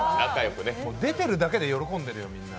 出てるだけで喜んでるよ、みんな。